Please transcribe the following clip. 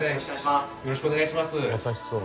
よろしくお願いします。